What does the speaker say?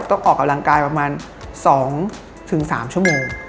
ออกกำลังกายประมาณ๒๓ชั่วโมง